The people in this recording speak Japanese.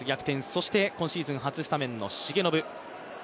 そして今シーズン初スタメンの重信。